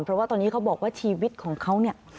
เพราะว่าตอนนี้เขาบอกว่าชีวิตของเขาเนี่ย